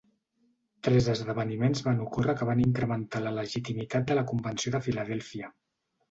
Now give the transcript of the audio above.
Tres esdeveniments van ocórrer que van incrementar la legitimitat de la Convenció de Filadèlfia.